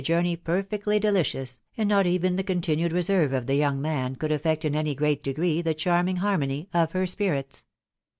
journey perfectly delicious, and not even the continued reserve of the young man could affect in any great degree the charming harmony of her spirits.